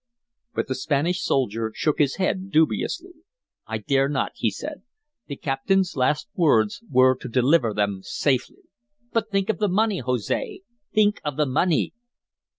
But the Spanish soldier shook his head dubiously. "I dare not," he said. "The captain's last words were to deliver them safely." "But think of the money, Jose! Think of the money!"